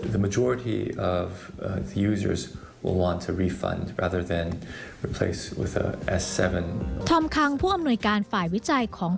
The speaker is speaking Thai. อำคังผู้อำนวยการฝ่ายวิจัยของ